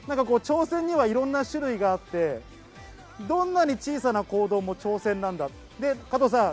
挑戦にはいろんな種類があって、どんなに小さな行動も挑戦なんだ。